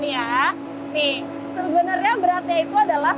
sebenarnya beratnya itu adalah satu enam ton